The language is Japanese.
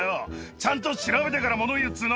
ちゃんと調べてからもの言えっつうの。